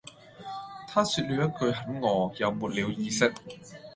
她說了一句很餓又沒了意識